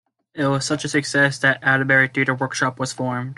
It was such a success that Adderbury Theatre Workshop was formed.